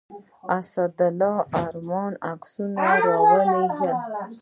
اسدالله ارماني عکسونه راولېږل.